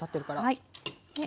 はい。